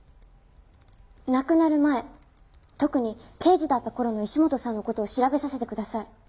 亡くなる前特に刑事だった頃の石本さんの事を調べさせてください。